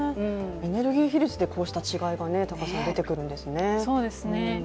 エネルギー比率でこうした違いが出てくるんですね。